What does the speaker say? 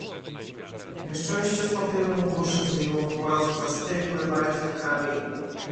"Nieszczęście spopieliło mu duszę, zmieniło w głaz, w zastygły, martwy kamień."